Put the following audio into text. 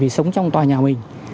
sống trong tòa nhà mình